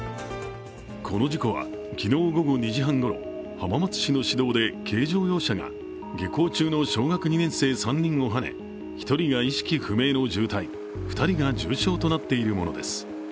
この事故は昨日午後２時半ごろ、浜松市の市道で軽乗用車が下校中の小学２年生３人をはね、１人が意識不明の重体２人が重傷となっているものです。